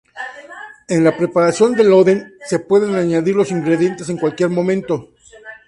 En la preparación del "oden", se puede añadir los ingredientes en cualquier momento.